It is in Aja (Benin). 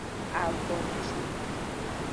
Agoci.